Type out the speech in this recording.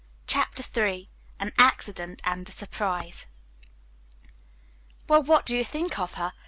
CHAPTER III AN ACCIDENT AND A SURPRISE "Well, what do you think of her?"